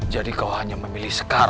jadi kau hanya memilih sekar